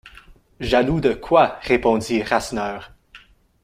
Jaloux de quoi? répondit Rasseneur.